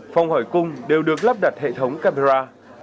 phòng hỏi cung đều được lắp đặt hệ thống camera